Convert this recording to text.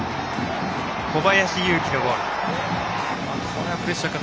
小林祐希のゴール。